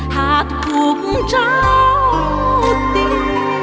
hát cùng trao tình